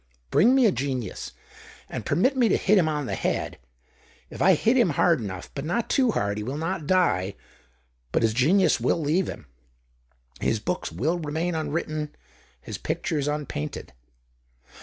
Bring me a genius, and permit me to hit him on the head ; if 1 hit him hard enough, but not too hard, he will not die ; but his genius will leave him, his books will remain unwritten, his pictures unpainted."